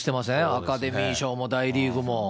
アカデミー賞も大リーグも。